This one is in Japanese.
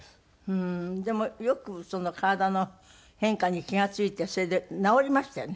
ふーんでもよくその体の変化に気が付いてそれで直りましたよね。